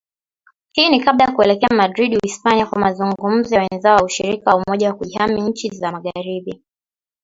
Hii ni kabla ya kuelekea Madrid, Uhispania kwa mazungumzo na wenzao wa ushirika wa Umoja wa Kujihami wa nchi za Magharibi